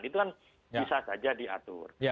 itu kan bisa saja diatur